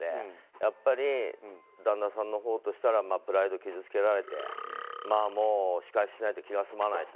やっぱり旦那さんのほうとしたらプライド傷つけられて仕返ししないと気が済まないと。